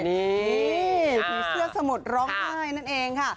ผิวเสื้อสมุทรร้องไห้นั่นเอง